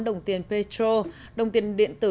đồng tiền petro đồng tiền điện tử